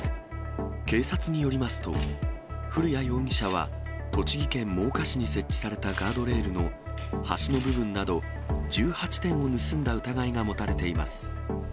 警察によりますと、古谷容疑者は栃木県真岡市に設置されたガードレールの端の部分など１８点を盗んだ疑いが持たれています。